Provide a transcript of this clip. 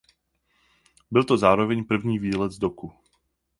Byl to zároveň první výlet z doku.